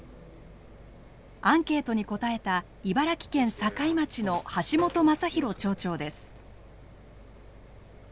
アンケートに答えた茨城県境町の橋本正裕町長です。